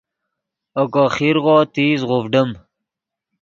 اوکو خیرغو تیز غوڤڈیم